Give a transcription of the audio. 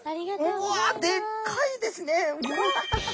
うわでっかいですね。